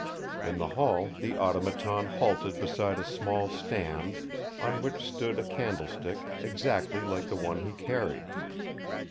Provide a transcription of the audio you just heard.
In the hall the Automaton halted beside a small stand on which stood a candlestick exactly like the one he carried.